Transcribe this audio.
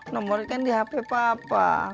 nomor kan di hp papa